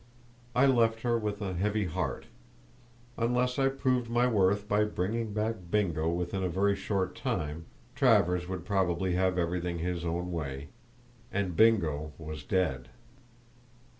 I left her with a heavy heart. Unless I proved my worth by bringing back Bingo within a very short time, Travers would probably have everything his own way. And Bingo was dead!